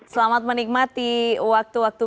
selamat menikmati waktu waktu